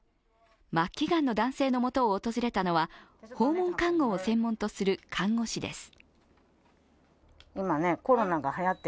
末期がんの男性の元を訪れたのは訪問看護を専門とする看護師です。